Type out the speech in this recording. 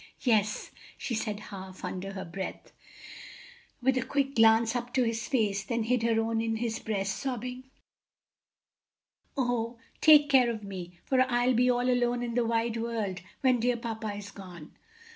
"Yes," she said half under her breath, with a quick glance up into his face, then hid her own on his breast, sobbing, "Oh, take care of me! for I'll be all alone in the wide world when dear papa is gone."